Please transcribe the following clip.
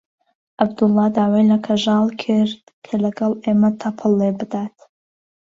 عەبدوڵڵا داوای لە کەژاڵ کرد کە لەگەڵ ئێمە تەپڵ لێ بدات.